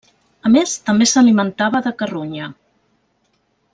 A més, també s'alimentava de carronya.